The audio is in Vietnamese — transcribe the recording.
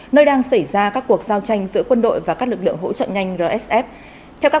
nơi đang xảy ra các cuộc giao tranh giữa quân đội và các lực lượng hỗ trợ nhanh rsf